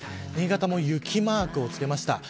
新潟も雪マークをつけました。